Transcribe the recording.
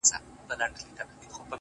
په دوزخي غېږ کي به یوار جانان و نه نیسم،